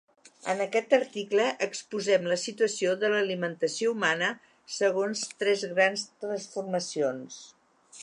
En aquest article exposem la situació de l’alimentació humana segons tres grans transformacions.